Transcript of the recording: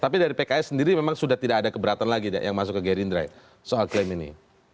tapi dari pks sendiri memang sudah tidak ada keberatan lagi yang masuk ke gerindra soal klaim ini